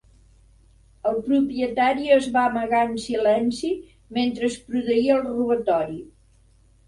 El propietari es va amagar en silenci mentre es produïa el robatori.